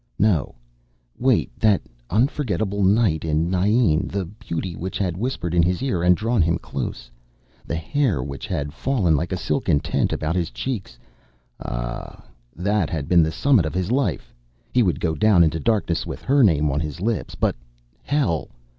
No, wait, that unforgettable night in Nienne, the beauty which had whispered in his ear and drawn him close, the hair which had fallen like a silken tent about his cheeks ... ah, that had been the summit of his life, he would go down into darkness with her name on his lips ... But hell!